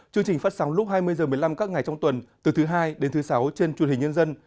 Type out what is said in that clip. chương trình phát sóng lúc hai mươi h một mươi năm các ngày trong tuần từ thứ hai đến thứ sáu trên truyền hình nhân dân